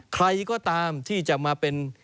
ใครก็ตามที่จะมาเป็น